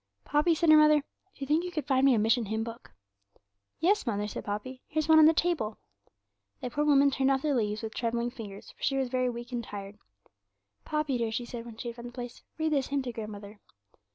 'Poppy,' said her mother, 'do you think you could find me a Mission Hymn book?' 'Yes, mother,' said Poppy; 'here's one on the table.' The poor woman turned over the leaves with trembling fingers, for she was very weak and tired. 'Poppy, dear,' she said, when she had found the place, 'read this hymn to grandmother.'